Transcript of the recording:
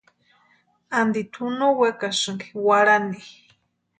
Anti tʼu no wekasinki warhani.